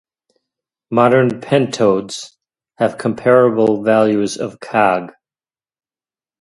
'Modern' pentodes have comparable values of Cag.